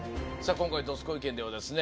今回「どすこい研」ではですね